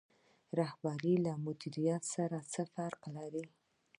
رهبري له مدیریت سره څه فرق لري؟